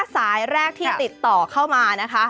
สายแรกที่ติดต่อเข้ามานะคะ